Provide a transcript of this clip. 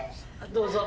どうぞ。